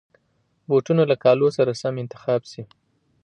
بوټونه له کالي سره سم انتخاب شي.